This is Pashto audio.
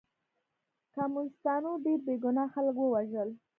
کمونستانو ډېر بې ګناه خلک ووژل